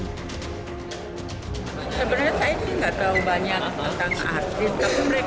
saya menyebutkannya deh nanti